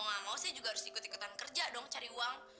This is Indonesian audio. gak mau saya juga harus ikut ikutan kerja dong cari uang